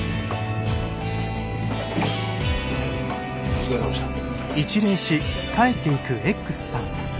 お疲れさまでした。